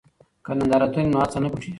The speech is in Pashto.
که نندارتون وي نو هڅه نه پټیږي.